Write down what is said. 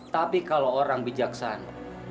tapi kalau orang bijaksana